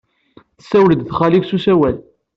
Tessawled d xali-k s usawal.